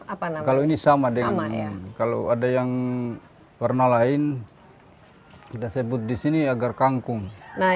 apa namanya kalau ini sama dengan kalau ada yang warna lain kita sebut di sini agar kangkung nah